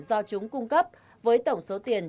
do chúng cung cấp với tổng số tiền